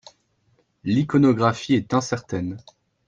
L'iconographie est incertaine.